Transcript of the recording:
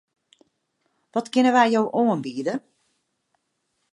Wat kinne wy jo oanbiede?